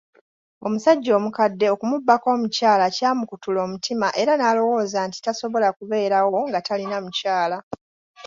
Omusajja omukadde okumubbako omukyala ky'amukutula omutima era n'alowooza nti tasobola kubeerawo nga talina mukyala.